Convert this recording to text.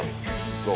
どう？